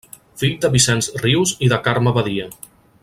Fill de Vicenç Rius i de Carme Badia.